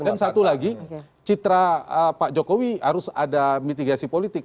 dan satu lagi citra pak jokowi harus ada mitigasi politik